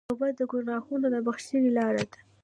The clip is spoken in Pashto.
توبه د ګناهونو د بخښنې لاره ده.